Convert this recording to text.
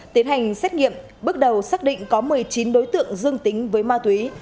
tiến hành xét nghiệm bước đầu xác định có một mươi chín đối tượng dương tính với ma túy